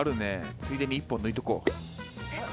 ついでに１本抜いとこう。